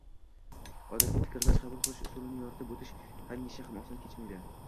Odatiy fikrlash, qabul qilish usulini yorib oʻtish hamisha ham oson kechmaydi